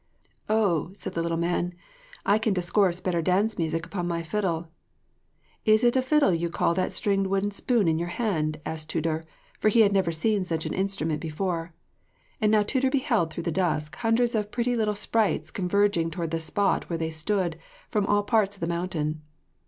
"Oh," said the little man, "I can discourse better dance music upon my fiddle." "Is it a fiddle you call that stringed wooden spoon in your hand?" asked Tudur, for he had never seen such an instrument before. And now Tudur beheld through the dusk hundreds of pretty little sprites converging towards the spot where they stood, from all parts of the mountain.